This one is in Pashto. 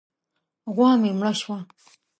غوا مې مړه شوه.